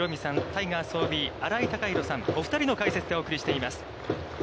タイガースＯＢ新井貴浩さん、お二人の解説でお送りしています。